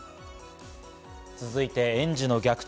続いて、園児の虐待。